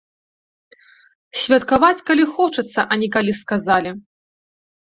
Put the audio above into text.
Святкаваць, калі хочацца, а не калі сказалі.